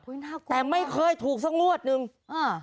น่ากลัวแต่ไม่เคยถูกสักงวดหนึ่งอ่า